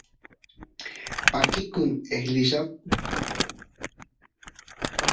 pakikun eqlilla